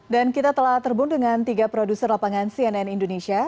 dan kita telah terbun dengan tiga produser lapangan cnn indonesia